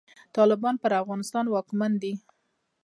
طالبان پر افغانستان واکمن دی.